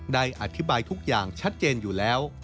ได้อธิบายทุกอย่างชัดเจนอยู่แล้ว